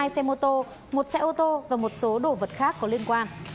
một mươi hai xe mô tô một xe ô tô và một số đồ vật khác có liên quan